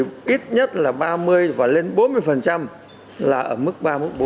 thì ít nhất là ba mươi và lên bốn mươi là ở mức ba mức bốn